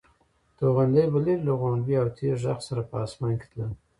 توغندي به لرې له غړومب او تېز غږ سره په اسمان کې تلل.